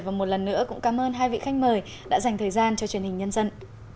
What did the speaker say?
và một lần nữa cũng cảm ơn hai vị khách mời đã dành thời gian cho truyền hình nhân dân